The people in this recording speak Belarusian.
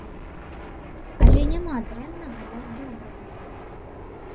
Але няма дрэннага без добрага.